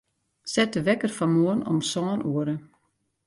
Set de wekker foar moarn om sân oere.